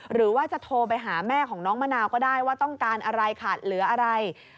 หรือว่าจะโทรไปหาแม่ของน้องมะนาวก็ได้ว่าต้องการอะไรขาดเหลืออะไร